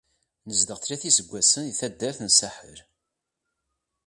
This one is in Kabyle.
Nezdeɣ tlata iseggasen di taddart n Saḥel.